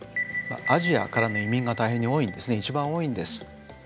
アジアからの移民が大変に多いんですね一番多いんです。